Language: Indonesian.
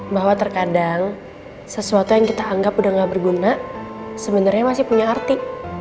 bahwa terkadang sesuatu yang kita anggap udah gak berguna sebenarnya masih punya arti